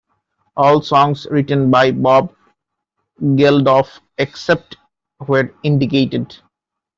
All songs written by Bob Geldof except where indicated.